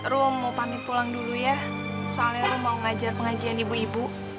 rum mau pamit pulang dulu ya soalnya ru mau ngajar pengajian ibu ibu